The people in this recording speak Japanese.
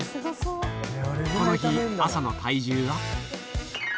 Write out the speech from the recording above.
この日、朝の体重は？